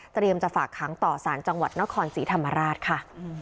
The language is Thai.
เตรียมจะฝากขังต่อสารจังหวัดนครสีธรรมราชค่ะ